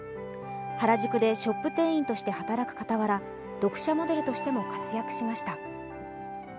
原宿でショップ店員として働く傍ら読者モデルとしても活躍しました。